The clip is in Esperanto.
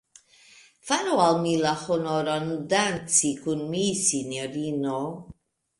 Faru al mi la honoron, danci kun mi, sinjorino.